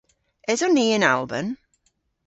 Eson ni yn Alban?